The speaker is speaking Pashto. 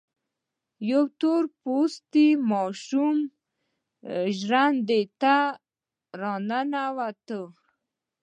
يوه تور پوستې ماشومه ژرندې ته را ننوته.